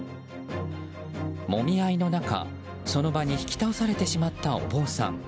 もみ合いの中、その場に引き倒されてしまったお坊さん。